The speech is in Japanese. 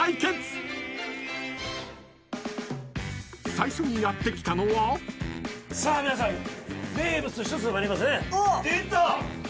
［最初にやって来たのは］さあ皆さん名物の一つでもありますね。